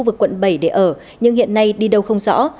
vực quận bảy để ở nhưng hiện nay đi đâu không rõ